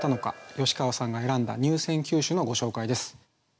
吉川さんが選んだ入選九首のご紹介です。